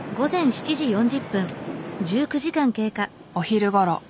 お昼ごろ